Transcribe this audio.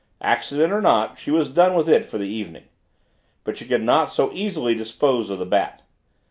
Accident or not, she was done with it for the evening. But she could not so easily dispose of the Bat.